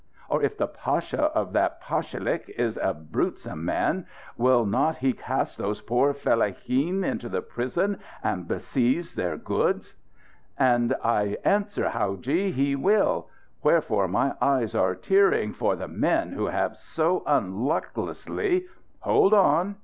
Or if the pasha of that pashalik is a brutesome man, will not he cast those poor fellaheen into the prison and beseize their goods? And I answer, howadji, he will. Wherefore my eyes are tearing, for the men who have so unlucklessly " "Hold on!"